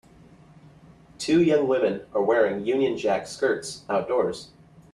Two young women are wearing Union Jack skirts outdoors.